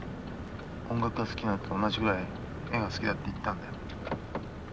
音楽が好きなのと同じぐらい絵が好きだって言ったんだよ。